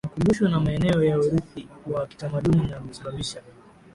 makumbusho na maeneo ya urithi wa kitamaduni na husababisha